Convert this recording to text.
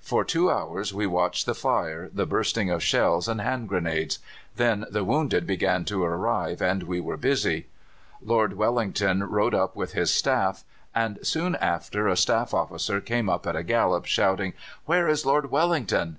For two hours we watched the fire, the bursting of shells and hand grenades. Then the wounded began to arrive, and we were busy. "Lord Wellington rode up with his staff, and soon after a staff officer came up at a gallop, shouting, 'Where is Lord Wellington?